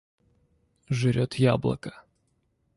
Жрет яблоко.